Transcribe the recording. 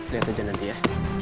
lihat aja nanti ya